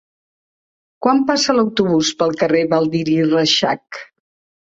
Quan passa l'autobús pel carrer Baldiri Reixac?